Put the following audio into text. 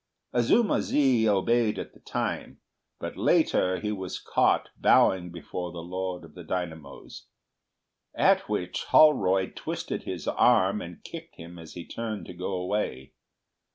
Azuma zi obeyed at the time, but later he was caught bowing before the Lord of the Dynamos. At which Holroyd twisted his arm and kicked him as he turned to go away.